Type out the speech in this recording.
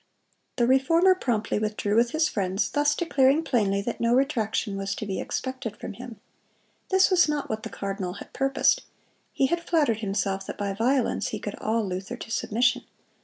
(183) The Reformer promptly withdrew with his friends, thus declaring plainly that no retraction was to be expected from him. This was not what the cardinal had purposed. He had flattered himself that by violence he could awe Luther to submission.